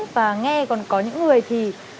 và nghe còn có những người thì